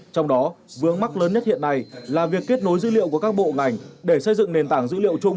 trong đó vướng mắc lớn nhất hiện nay là việc kết nối dữ liệu của các bộ ngành để xây dựng nền tảng dữ liệu chung